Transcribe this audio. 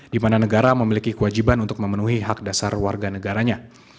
di mana negara memiliki kewajiban untuk memenuhi hak dasar warga negaranya